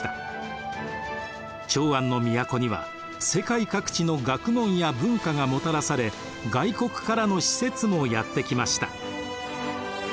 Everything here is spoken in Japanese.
長安の都には世界各地の学問や文化がもたらされ外国からの使節もやって来ました。